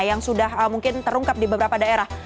yang sudah mungkin terungkap di beberapa daerah